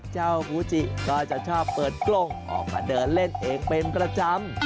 กูจิก็จะชอบเปิดกล้องออกมาเดินเล่นเองเป็นประจำ